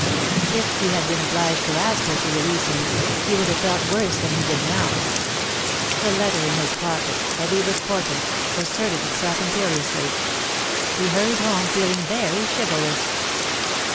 If he had been obliged to ask her to release him, he would have felt worse than he did now. The letter in his pocket, heavy with portent, asserted itself imperiously. He hurried home, feeling very chivalrous.